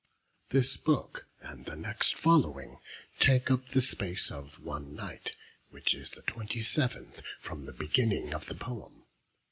This book, and the next following, take up the space of one night, which is the twenty seventh from the beginning of the poem.